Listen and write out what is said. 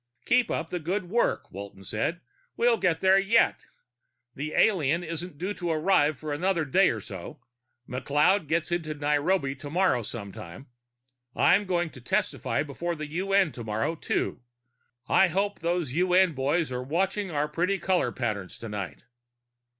"Keep up the good work," Walton said. "We'll get there yet. The alien isn't due to arrive for another day or so McLeod gets into Nairobi tomorrow some time. I'm going to testify before the UN tomorrow, too. I hope those UN boys are watching our pretty color patterns tonight."